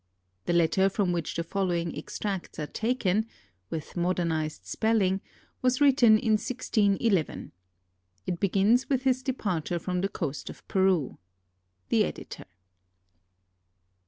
The letter from which the following extracts are taken — with modernized spelling — was written in 1611. It begins with his departure from the coast of Peru. The Editor.